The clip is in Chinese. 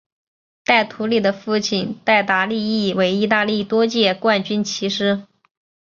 戴图理的父亲戴达利亦为意大利多届冠军骑师。